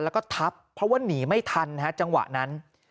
แล้วก็ทับเพราะว่าหนีไม่ทันฮะจังหวะนั้น